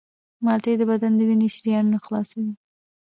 مالټې د بدن د وینې شریانونه خلاصوي.